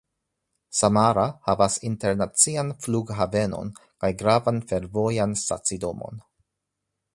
Samara havas internacian flughavenon kaj gravan fervojan stacidomon.